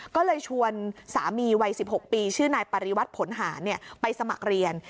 ก็เลยชวนสามีวัย๑๖ปีชื่อนายปริวัติผลหารไปสมัครเรียน